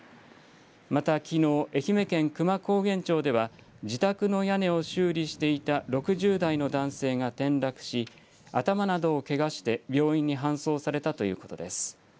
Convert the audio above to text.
またきのう、愛媛県久万高原町では自宅の屋根を修理していた６０代の男性が転落し、頭などをけがして病院に搬送されたということです。